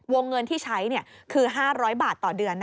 เงินที่ใช้คือ๕๐๐บาทต่อเดือน